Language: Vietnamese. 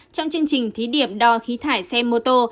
trong chương trình thí điểm đo khí thải xe mô tô